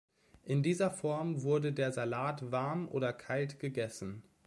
In dieser Form wurde der Salat warm oder kalt gegessen.